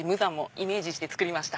イメージして作りました。